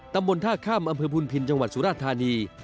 ตำบลท่าข้ามอำเภอพุนพินจังหวัดสุราธานี